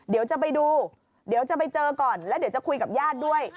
เดี๋ยวจะไปดูเดี๋ยวจะไปเจอก่อนแล้วเดี๋ยวจะคุยกับญาติด้วย